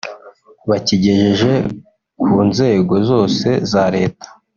bakigejeje ku nzego zose za Leta